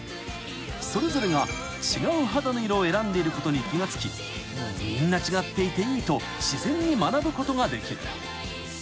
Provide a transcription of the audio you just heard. ［それぞれが違う肌の色を選んでいることに気が付きみんな違っていていいと自然に学ぶことができる］